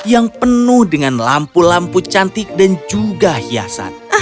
yang penuh dengan lampu lampu cantik dan juga hiasan